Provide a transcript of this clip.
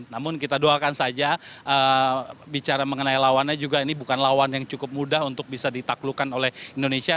namun kita doakan saja bicara mengenai lawannya juga ini bukan lawan yang cukup mudah untuk bisa ditaklukkan oleh indonesia